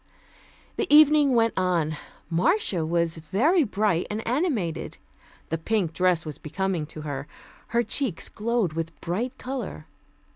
The evening went on. Marcia was very bright and animated. The pink dress was becoming to her. Her cheeks glowed with bright color.